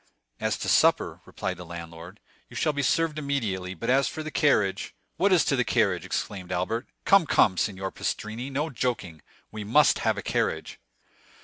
"As to supper," replied the landlord, "you shall be served immediately; but as for the carriage——" "What as to the carriage?" exclaimed Albert. "Come, come, Signor Pastrini, no joking; we must have a carriage."